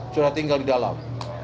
sudah tinggal di dalam